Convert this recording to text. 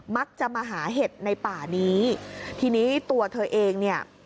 มักจะมาหาเห็ดในป่านี้ทีนี้ตัวเธอเองเนี่ย